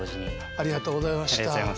ありがとうございます。